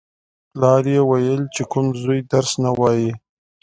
پلار یې ویل: چې کوم زوی درس نه وايي.